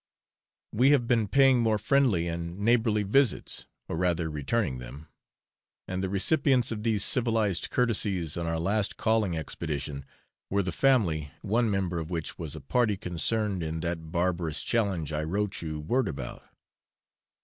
We have been paying more friendly and neighbourly visits, or rather returning them; and the recipients of these civilised courtesies on our last calling expedition were the family one member of which was a party concerned in that barbarous challenge I wrote you word about.